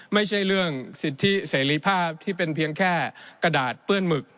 ไม่ใช่เรื่องสิทธิเสรีภาพที่เป็นเพียงแค่กระดาษเปื้อนหมึก